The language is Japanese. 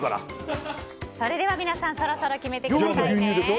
皆さんそろそろ決めてくださいね。